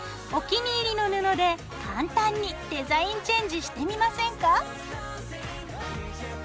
お気に入りの布で簡単にデザインチェンジしてみませんか？